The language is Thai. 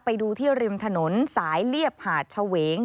ไปดูที่ริมถนนสายเรียบหาดเฉวง